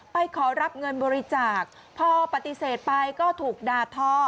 ขอรับเงินบริจาคพอปฏิเสธไปก็ถูกด่าทอ